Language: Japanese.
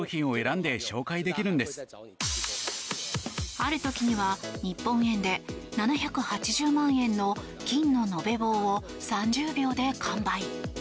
ある時には日本円で７８０万円の金の延べ棒を３０秒で完売。